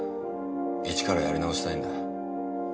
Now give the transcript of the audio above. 一からやり直したいんだ。